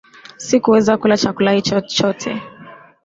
Sikuweza kula chakula hicho chote